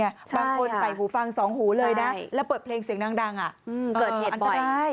บางคนใส่หูฟังสองหูเลยนะแล้วเปิดเพลงเสียงดังเกิดเหตุอันตราย